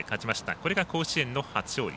これが甲子園の初勝利。